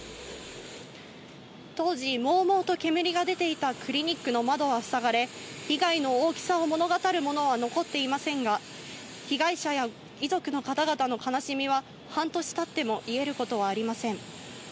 当時、もうもうと煙が出ていたクリニックの窓は塞がれ、被害の大きさを物語るものは残っていませんが、被害者や遺族の方々の悲しみは半年経っても、癒えることはありません。